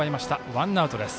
ワンアウトです。